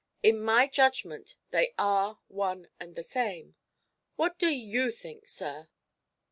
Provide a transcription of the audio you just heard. In my judgment they are one and the same. What do you think, sir?"